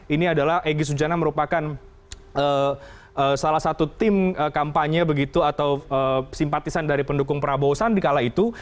ini adalah egy sujana merupakan salah satu tim kampanye begitu atau simpatisan dari pendukung prabowo sandi kala itu